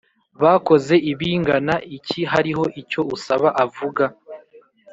bakoze ibingana iki Hariho icyo usaba avuga